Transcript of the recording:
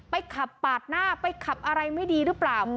ขับปาดหน้าไปขับอะไรไม่ดีหรือเปล่า